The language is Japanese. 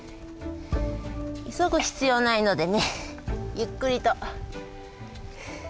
急ぐ必要ないのでねゆっくりと。